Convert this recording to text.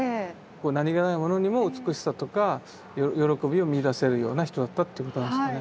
何気ないものにも美しさとか喜びを見いだせるような人だったということなんですかね。